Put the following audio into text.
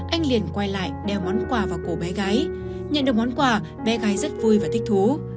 anh liền quay lại đeo món quà vào cổ bé gái nhận được món quà bé gái rất vui và thích thú